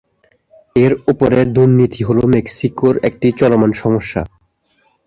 এর ওপরে, দুর্নীতি হল মেক্সিকোর একটি চলমান সমস্যা।